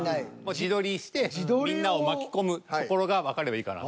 自撮りしてみんなを巻き込むところがわかればいいかなと。